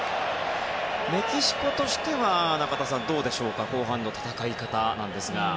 メキシコとしては中田さん、どうでしょうか後半の戦い方なんですが。